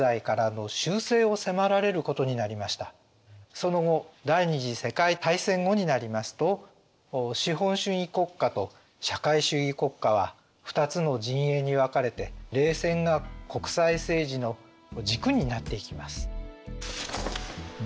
その後第二次世界大戦後になりますと資本主義国家と社会主義国家は二つの陣営に分かれて冷戦が国際政治の軸になっていきます。